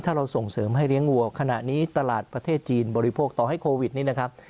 ถ้าเราส่งเสริมให้เลี้ยงวัวขณะนี้ตลาดประเทศจีนบริโภคต่อให้โควิดนี้นะครับ